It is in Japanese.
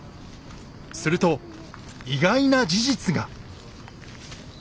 すると意外な事実が。